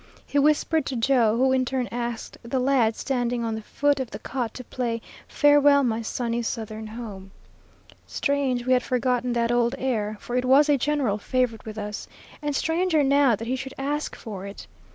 He whispered to Joe, who in turn asked the lad sitting on the foot of the cot to play Farewell, my Sunny Southern Home.' Strange we had forgotten that old air, for it was a general favorite with us, and stranger now that he should ask for it.